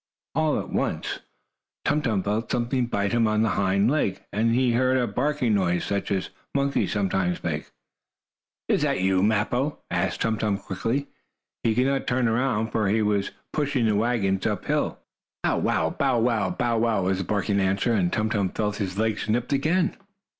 All at once Tum Tum felt something bite him on the hind leg, and he heard a barking noise, such as monkeys sometimes make. "Is that you, Mappo?" asked Tum Tum quickly. He could not turn around, for he was pushing the wagon up hill. "Bow wow! Bow wow! Bow wow!" was the barking answer, and Tum Tum felt his legs nipped again.